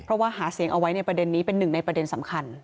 เพราะว่าหาเสียงเอาไว้ในประเด็นนี้เป็นหนึ่งในประเด็นสำคัญ